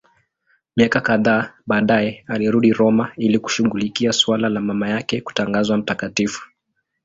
Miaka kadhaa baadaye alirudi Roma ili kushughulikia suala la mama yake kutangazwa mtakatifu.